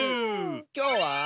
きょうは。